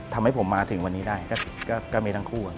ทำให้ผมมาถึงวันนี้ได้ก็มีทั้งคู่